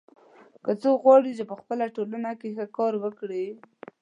څوک غواړي چې په خپل ټولنه کې ښه کار وکړي